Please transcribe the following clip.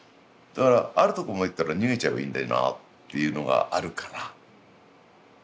あるとこまで行ったら逃げちゃえばいいんだよなっていうのがあるから。